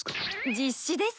実子です。